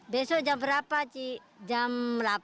besok jam berapa cik jam delapan